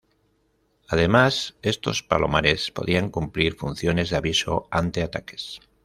Además estos palomares podían cumplir funciones de aviso ante ataques.